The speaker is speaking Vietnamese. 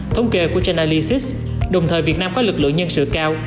thống kê của genalalysis đồng thời việt nam có lực lượng nhân sự cao